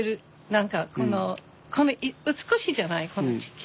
何かこの美しいじゃないこの地球。